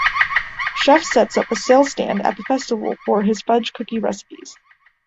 Chef sets up a sales stand at the festival for his fudge cookie recipes.